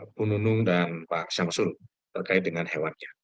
pununung dan pak syamsul terkait dengan hewannya